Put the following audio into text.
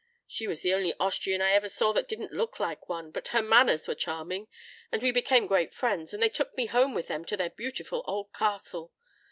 She was the only Austrian I ever saw that didn't look like one, but her manners were charming and we became great friends and they took me home with them to their beautiful old castle.